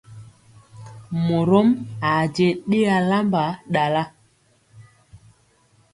Morom a je ɗe alamba ɗala.